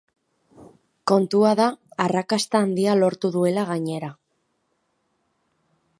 Kontua da, arrakasta handia lortu duela gainera.